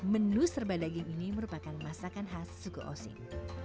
menu serba daging ini merupakan masakan khas suku osing